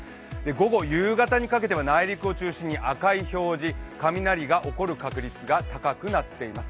午後、夕方にかけては内陸を中心に赤い表示、雷が起こる確率が高くなっています。